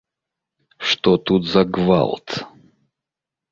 Што тут за гвалт?